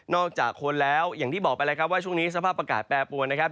อกจากคนแล้วอย่างที่บอกไปแล้วครับว่าช่วงนี้สภาพอากาศแปรปวนนะครับ